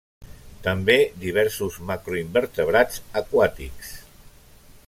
També diversos macroinvertebrats aquàtics.